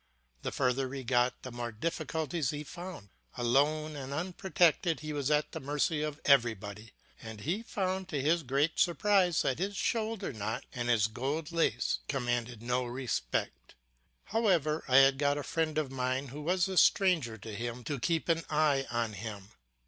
The further he got the more difficulties he found. Alone and unprotected he was at the mercy of everybody, and he found to his great surprise that his shoulder knot and his gold lace commanded no respect. However, I had got a friend of mine, who was a stranger to him, to keep an eye on him.